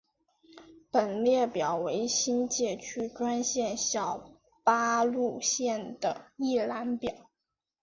本列表为新界区专线小巴路线的一览表。